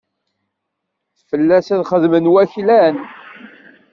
Fell-as ad xeddmen waklan.